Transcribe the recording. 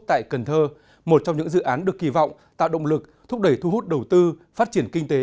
tại cần thơ một trong những dự án được kỳ vọng tạo động lực thúc đẩy thu hút đầu tư phát triển kinh tế